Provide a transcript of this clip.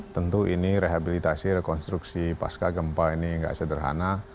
tentu ini rehabilitasi rekonstruksi pasca gempa ini tidak sederhana